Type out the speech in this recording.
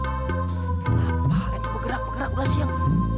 kenapa itu bergerak bergerak udah siang